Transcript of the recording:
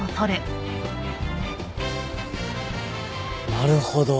なるほど。